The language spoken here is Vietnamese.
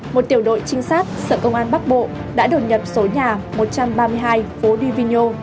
một tiểu đội trinh sát sở công an bắc bộ đã đổ nhập số nhà một trăm ba mươi hai phố đi vinh nhô